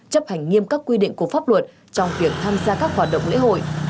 chấp hành nghiêm các quy định của pháp luật trong việc tham gia các hoạt động lễ hội